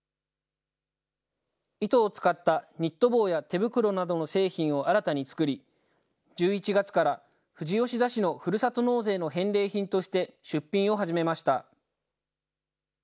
糸を使ったニット帽や手袋などの製品を新たに作り、１１月から、富士吉田市のふるさと納税の返礼品として出品を始めました。